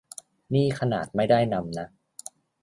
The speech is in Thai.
นี่ขนาดไม่ได้นำนะ